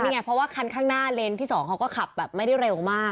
นี่ไงเพราะว่าคันข้างหน้าเลนส์ที่๒เขาก็ขับแบบไม่ได้เร็วมาก